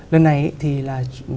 lần này thì là